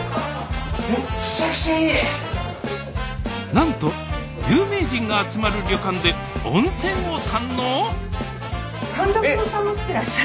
なんと有名人が集まる旅館で温泉を堪能⁉えっ！